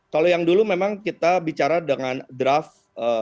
kalau yang dulu memang kita bicara dengan draft dua ribu sembilan belas